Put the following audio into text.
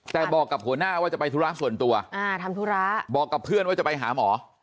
แต่บอกกับหัวหน้าว่าจะไปธุระส่วนตัวอ่าทำธุระบอกกับเพื่อนว่าจะไปหาหมอ